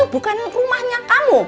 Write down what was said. bukan rumahnya kamu